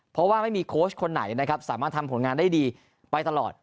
เพราะว่าไม่มีโค้ชคนไหนนะครับสามารถทำผลงานได้ดีไปตลอด